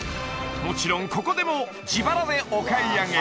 もちろんここでも自腹でお買い上げ